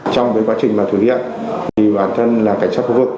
trong quá trình thực hiện bản thân là cảnh sát khu vực